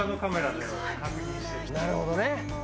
なるほどね。